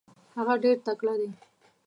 هغه ډېر تکړه دی.